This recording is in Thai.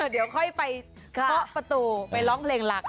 เดี๋ยวค่อยไปเคาะประตูไปร้องเพลงหลัก